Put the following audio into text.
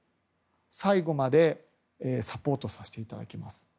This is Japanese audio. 最後までサポートさせていただきます。